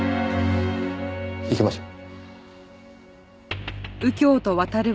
行きましょう。